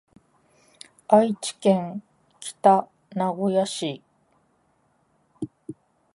愛知県北名古屋市